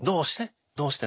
どうして？